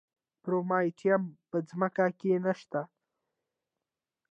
د پرومیټیم په ځمکه کې نه شته.